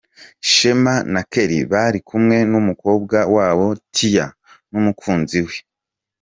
Shem na Kelly bari kumwe n'umukobwa wabo Tia n'umukunzi we.